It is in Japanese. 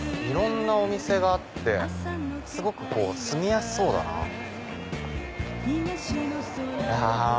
いろんなお店があってすごく住みやすそうだなぁ。